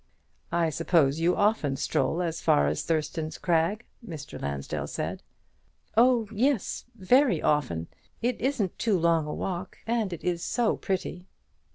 "I suppose you often stroll as far as Thurston's Crag?" Mr. Lansdell said. "Oh yes, very often. It isn't too long a walk, and it is so pretty."